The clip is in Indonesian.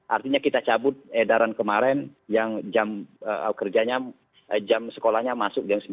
artinya kita cabut edaran kemarin yang jam kerjanya jam sekolahnya masuk jam sembilan